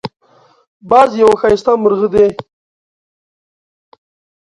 باز یو ښایسته مرغه دی